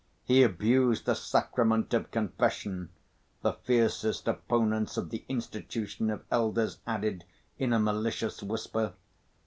"He abused the sacrament of confession," the fiercest opponents of the institution of elders added in a malicious whisper.